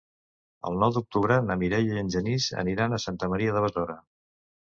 El nou d'octubre na Mireia i en Genís aniran a Santa Maria de Besora.